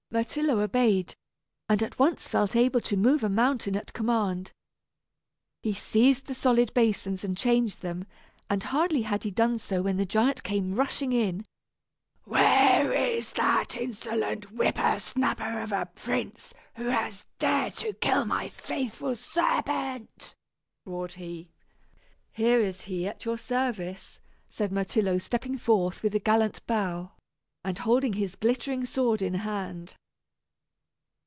Myrtillo obeyed, and at once felt able to move a mountain at command. He seized the solid stone basins and changed them, and hardly had he done so when the giant came rushing in. "Where is that insolent whipper snapper of a prince who has dared to kill my faithful serpent?" roared he. "Here he is, at your service," said Myrtillo, stepping forth with a gallant bow, and holding his glittering sword in hand.